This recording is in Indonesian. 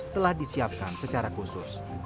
telah disiapkan secara khusus